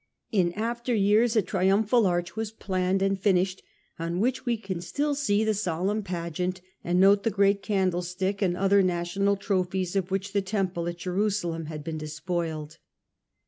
In after years a triumphal arch was planned and finished, on which we can still see the solemn pageant and note the great candlestick and other national trophies of which the Temple at Jerusalem had been despoiled.